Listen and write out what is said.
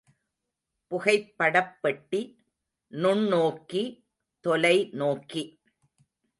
புகைப்படப்பெட்டி, நுண்ணோக்கி, தொலை நோக்கி.